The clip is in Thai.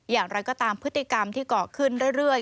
อย่างไรก็ตามพฤติกรรมที่เกาะขึ้นเรื่อย